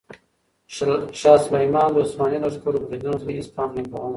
شاه سلیمان د عثماني لښکرو بریدونو ته هیڅ پام نه کاوه.